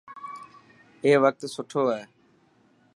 اي وقت سٺو هي.